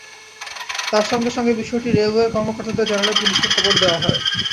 তাঁরা সঙ্গে সঙ্গে বিষয়টি রেলওয়ের কর্মকর্তাদের জানালে পুলিশকে খবর দেওয়া হয়।